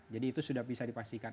itu sudah bisa dipastikan